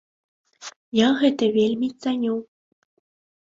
Я гэта вельмі цаню.